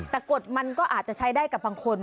แต่กฎมันก็อาจจะใช้ได้กับบางคน